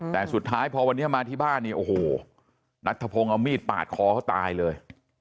แต่สุดท้ายพอวันนี้มาที่บ้านเนี่ยโอ้โหนัทธพงศ์เอามีดปาดคอเขาตายเลย